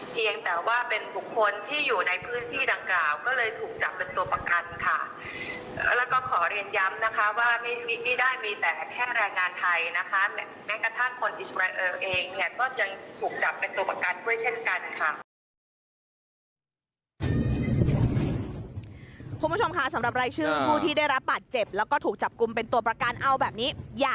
เพียงแต่ว่าเป็นผู้คนที่อยู่ในพื้นที่ดังกล่าวก็เลยถูกจับเป็นตัวประกันค่ะ